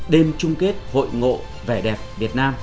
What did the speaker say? đêm chung kết hội ngộ vẻ đẹp việt nam